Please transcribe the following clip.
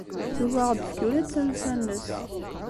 Tugi ad aɣ-d-tefk ula d tansa-nnes.